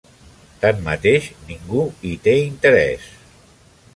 Tanmateix, ningú hi té interès.